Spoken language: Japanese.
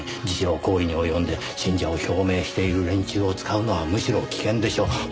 自傷行為に及んで信者を表明している連中を使うのはむしろ危険でしょう。